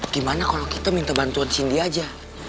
gimana kalau kita minta bantuan cindy aja